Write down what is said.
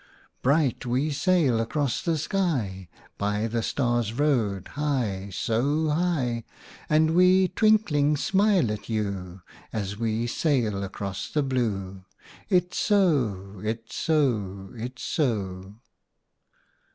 Bright we sail across the sky By the Stars' Road, high, so high; And we, twinkling, smile at you, As we sail across the blue ! It's so! It's so! It's so!'